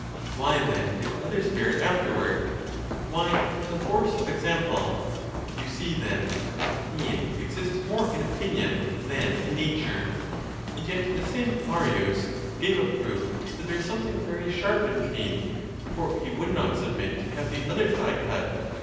Why, then, did others bear it afterward ? Why, from the force of example. You see, then, that pain exists more in opinion than in nature; and yet the same Marius gave a proof that there is something very sharp in pain, for he would not submit to have the other thigh cut.